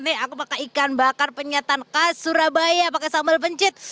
nih aku pakai ikan bakar penyetan khas surabaya pakai sambal pencit